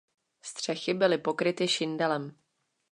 Střechy byly pokryty šindelem.